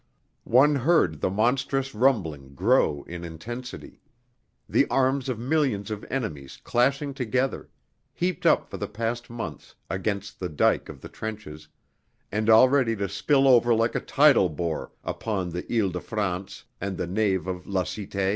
One heard the monstrous rumbling grow in intensity, the arms of millions of enemies clashing together, heaped up for the past months against the dyke of the trenches, and all ready to spill over like a tidal bore upon the Ile de France and the nave of La Cité.